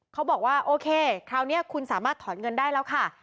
เขาบอกว่าโอเคคราวนี้คุณสามารถถอนเงินได้แล้วค่ะ